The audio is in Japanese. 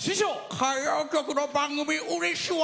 歌謡曲の番組うれしわ